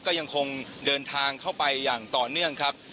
ก็ยังคงเดินทางเข้าไปอย่างต่อเนื่องครับ